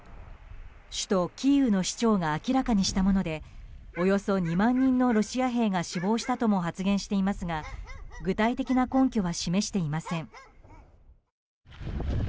首都キーウの市長が明らかにしたものでおよそ２万人のロシア兵が死亡したとも発言していますが具体的な根拠は示していません。